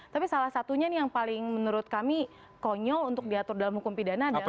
tapi salah satunya nih yang paling menurut kami konyol untuk diatur dalam hukum pidana adalah